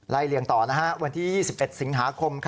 เลี่ยงต่อวันที่๒๑สิงหาคม